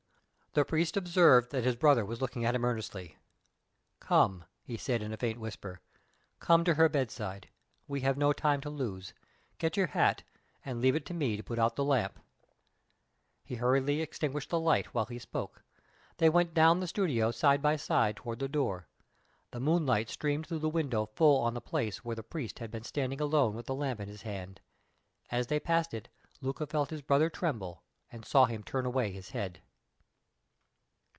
The priest observed that his brother was looking at him earnestly. "Come!" he said in a faint whisper, "come to her bedside: we have no time to lose. Get your hat, and leave it to me to put out the lamp." He hurriedly extinguished the light while he spoke. They went down the studio side by side toward the door. The moonlight streamed through the window full on the place where the priest had been standing alone with the lamp in his hand. As they passed it, Luca felt his brother tremble, and saw him turn away his head.